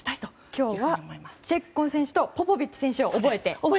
今日はチェッコン選手とポポビッチ選手を覚えて。